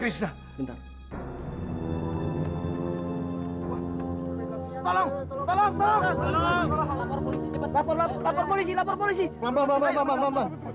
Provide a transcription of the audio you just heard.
ibu ibu ibu apa apa